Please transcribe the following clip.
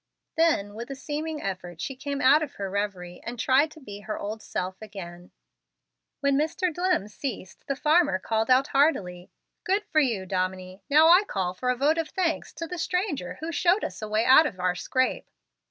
Then with a seeming effort she came out of her revery, and tried to be her old self again. When Mr. Dlimm ceased, the farmer called out heartily: "Good for you, dominie. Now I call for a vote of thanks to the stranger who showed us a way out of our scrape.